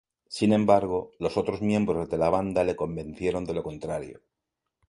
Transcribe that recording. Sin embargo, los otros miembros de la banda le convencieron de lo contrario.